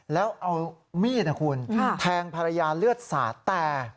แล้วเอามีดนะคุณแทงภรรยาเลือดสาดแต่